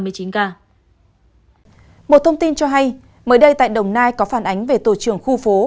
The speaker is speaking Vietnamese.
một thông tin cho hay mới đây tại đồng nai có phản ánh về tổ trưởng khu phố